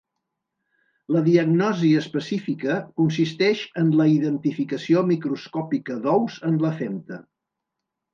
La diagnosi específica consisteix en la identificació microscòpica d'ous en la femta.